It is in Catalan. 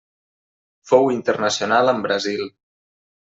Fou internacional amb Brasil.